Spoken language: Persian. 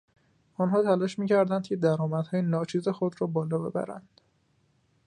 آنها تلاش میکردند که درآمدهای ناچیز خود را بالا ببرند.